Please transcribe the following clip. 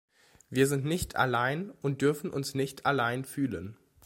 Wir sind nicht allein und dürfen uns nicht allein fühlen.